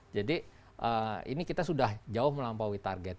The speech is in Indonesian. jadi ini kita sudah jauh melampaui target